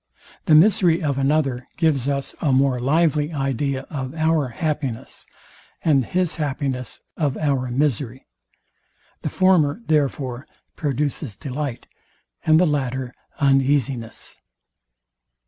The misery of another gives us a more lively idea of our happiness, and his happiness of our misery. The former, therefore, produces delight; and the latter uneasiness.